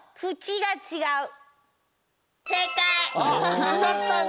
くちだったんだ！